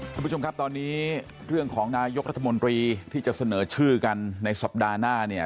คุณผู้ชมครับตอนนี้เรื่องของนายกรัฐมนตรีที่จะเสนอชื่อกันในสัปดาห์หน้าเนี่ย